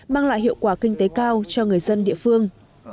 mang lại hiệu quả kinh tế cao cho người dân địa phương